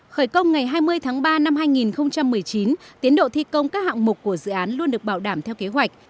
khởi công ngày hai mươi tháng ba năm hai nghìn một mươi chín tiến độ thi công các hạng mục của dự án luôn được bảo đảm theo kế hoạch